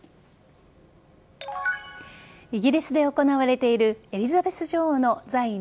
イギリスで行われているエリザベス女王の在位